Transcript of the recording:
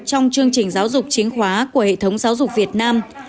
trong chương trình giáo dục chính khóa của hệ thống giáo dục việt nam